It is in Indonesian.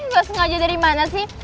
gue sengaja dari mana sih